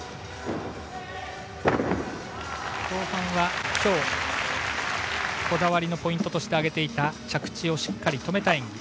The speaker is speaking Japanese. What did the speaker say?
後半は今日こだわりのポイントとして挙げていた着地をしっかり止めた演技。